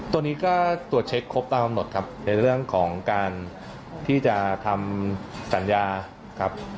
ตัวนี้ก็ตรวจเช็คครบตามกำหนดครับในเรื่องของการที่จะทำสัญญาครับ